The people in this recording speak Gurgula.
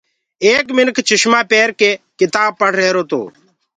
ايڪ منک چُشمآنٚ پيرڪي ڪتآب پڙه ريهروتو